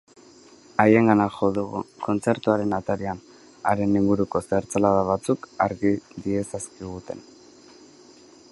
Haiengana jo dugu, kontzertuaren atarian, haren inguruko zertzelada batzuk argi diezazkiguten.